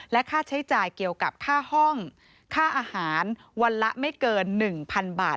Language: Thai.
ค่าใช้จ่ายเกี่ยวกับค่าห้องค่าอาหารวันละไม่เกิน๑๐๐๐บาท